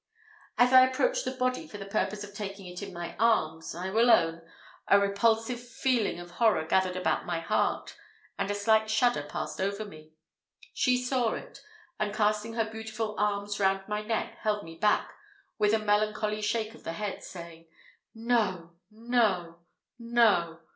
As I approached the body for the purpose of taking it in my arms, I will own, a repulsive feeling of horror gathered about my heart, and a slight shudder passed over me. She saw it, and casting her beautiful arms round my neck, held me back with a melancholy shake of the head, saying, "No, no, no!"